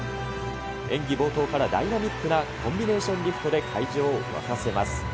演技冒頭からダイナミックなコンビネーションリフトで会場を沸かせます。